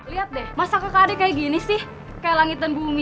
lihat deh masa kakak adik kayak gini sih kayak langit dan bumi